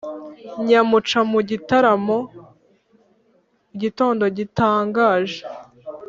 Nyamuca mu gitaramo igitondo gitangaje